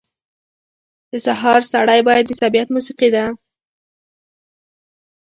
• د سهار سړی باد د طبیعت موسیقي ده.